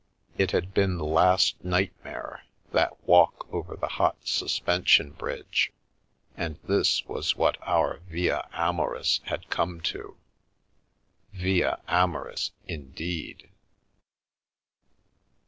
It had been the last nightmare, that walk over the hot suspension bridge, and this was what our " Via Amoris " had come to ! Via Amoris, indeed